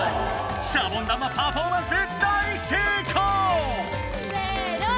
シャボン玉パフォーマンス大成功！せの！